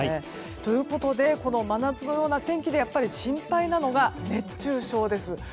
ということでこの真夏のような天気で心配なのが熱中症です。